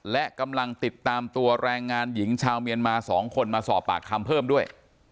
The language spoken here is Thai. และกำลังติดตามตัวแรงงานหญิงชาวเมียนมา๒คนมาสอบปากคำเพิ่มด้วย